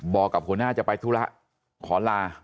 บอกกับหัวหน้าจะไปธุระขอลา